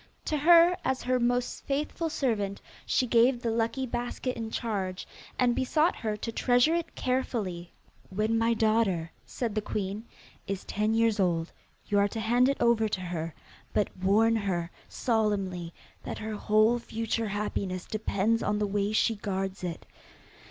To her, as her most faithful servant, she gave the lucky basket in charge, and besought her to treasure it carefully. 'When my daughter,' said the queen, 'is ten years old, you are to hand it over to her, but warn her solemnly that her whole future happiness depends on the way she guards it.